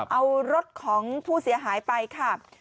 เอารถของผู้เสียหายไปค่ะ